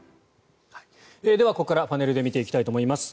ここからパネルで見ていきたいと思います。